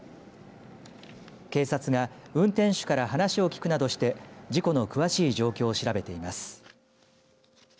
警察が運転手から話を聞くなどして事故の詳しい状況を調べています。